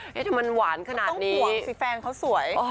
ทำไมมันหวานขนาดต้องห่วงสิแฟนเขาสวย